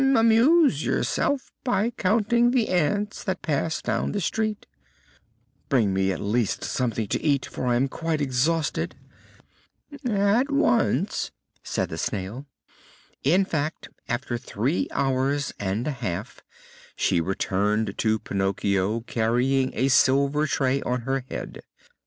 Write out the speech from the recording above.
"Amuse yourself by counting the ants that pass down the street." "Bring me at least something to eat, for I am quite exhausted." "At once," said the Snail. In fact, after three hours and a half she returned to Pinocchio carrying a silver tray on her head.